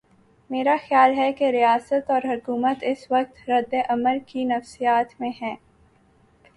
میرا خیال ہے کہ ریاست اور حکومت اس وقت رد عمل کی نفسیات میں ہیں۔